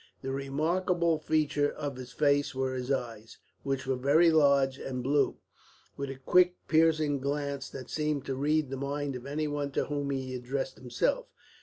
The remarkable feature of his face were his eyes, which were very large and blue, with a quick piercing glance that seemed to read the mind of anyone to whom he addressed himself.